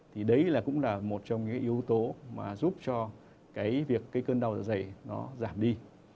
thì đấy là cũng là một trong những yếu tố mà giúp cho cái việc cái cơn đau dày nó giảm đi